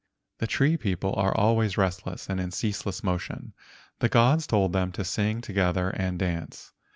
The tree people are always restless and in ceaseless motion. The gods told them to sing together and dance.